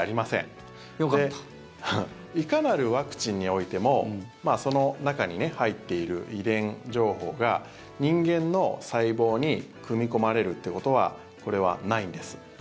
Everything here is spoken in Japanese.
いかなるワクチンにおいてもその中に入っている遺伝情報が人間の細胞に組み込まれるということはこれはないんです。